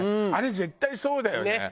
あれ絶対そうだよね。